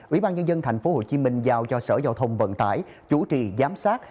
ủy ban nhân dân thành phố hồ chí minh giao cho sở giao thông vận tải chủ trì giám sát